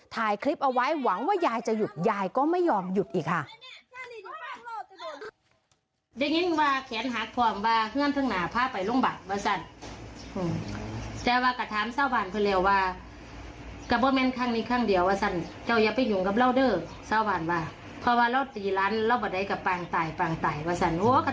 ถ่ายคลิปเอาไว้หวังว่ายายจะหยุดยายก็ไม่ยอมหยุดอีกค่ะ